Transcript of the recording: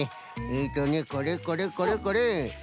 えとねこれこれこれこれ。